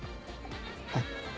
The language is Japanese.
はい。